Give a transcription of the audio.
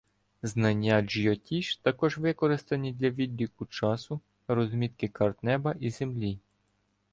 Знання джйотіш також використані для відліку часу, розмітки карт неба і землі.